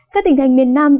các tỉnh thành miền nam